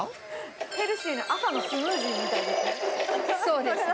ヘルシーな朝のスムージーみそうですね。